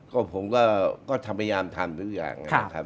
ก็ผมก็พยายามทำทุกอย่างนะครับ